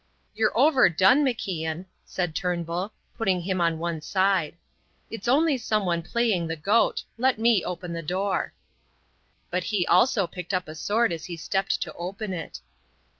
"You're overdone, MacIan," said Turnbull, putting him on one side. "It's only someone playing the goat. Let me open the door." But he also picked up a sword as he stepped to open it.